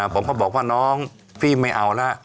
ผมก็บอกว่าน้องพี่ไม่เอาแล้ว